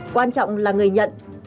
quan trọng là người nhận